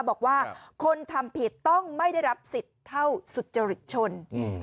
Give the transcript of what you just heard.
บอกว่าคนทำผิดต้องไม่ได้รับสิทธิ์เท่าสุจริตชน